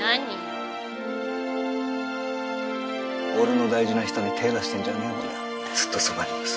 俺の大事な人に手出してんじゃねえこの野郎。ずっとそばにいます。